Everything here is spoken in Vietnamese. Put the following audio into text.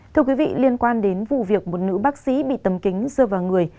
thưa quý vị liên quan đến vụ việc một nữ bác sĩ bị tấm kính rơ vào người